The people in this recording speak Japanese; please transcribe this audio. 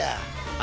あ！